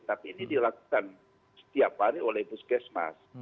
tapi ini dilakukan setiap hari oleh puskesmas